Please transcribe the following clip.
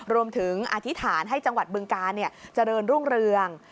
รวมถึงอธิษฐานให้จังหวัดบึงกาลเจริญรุ่งเรือง